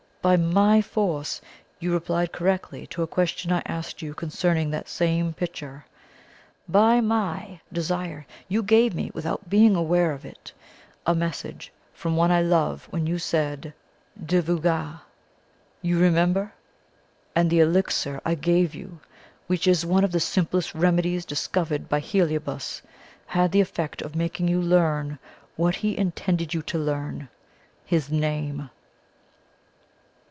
By MY force, you replied correctly to a question I asked you concerning that same picture. By MY desire, you gave me, without being aware of it, a message from one I love when you said, 'Dieu vous garde!' You remember? And the elixir I gave you, which is one of the simplest remedies discovered by Heliobas, had the effect of making you learn what he intended you to learn his name."